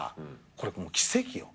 これ奇跡よ。